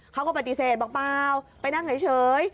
เขาก็ปฏิเสธบอกเปล่าไปนั่งเฉย